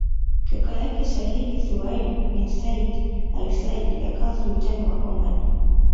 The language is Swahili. Kaka yake Sayyid Thuwaini bin Said al Said akawa Sultani wa Oman